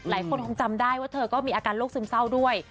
หลายคนคงจำได้ว่าเธอก็มีอาการโรคซึมเศร้าด้วย